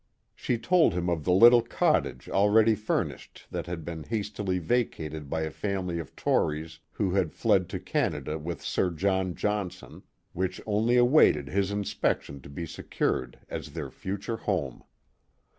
She told I him of the little cottage already furnished that had been r hastily vacated by a family of Tories who had fled to Canada 'with Sir John Johnson, which only awaited his inspection to be secured as their future home.